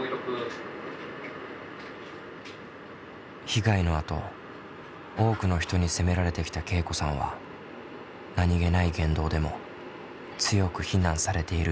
被害のあと多くの人に責められてきたけいこさんは何気ない言動でも強く非難されているように感じます。